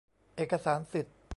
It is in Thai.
เอกสารสิทธิ์